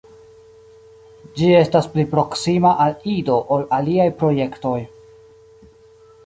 Ĝi estas pli proksima al Ido ol aliaj projektoj.